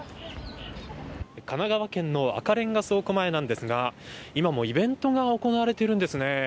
神奈川県の赤レンガ倉庫前なんですが今、もうイベントが行われているんですね。